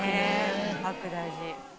パック大事。